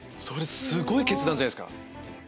すごい決断じゃないですか